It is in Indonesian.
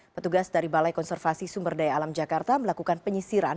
petugas dari balai konservasi sumber daya alam jakarta melakukan penyisiran